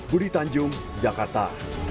budi tanjung jakarta